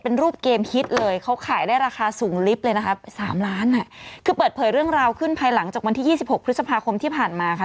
เป็นรูปเกมฮิตเลยเขาขายได้ราคาสูงลิฟต์เลยนะคะสามล้านอ่ะคือเปิดเผยเรื่องราวขึ้นภายหลังจากวันที่๒๖พฤษภาคมที่ผ่านมาค่ะ